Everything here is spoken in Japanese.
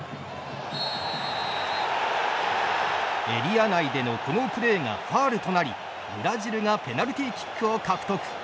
エリア内での、このプレーがファウルとなりブラジルがペナルティーキックを獲得。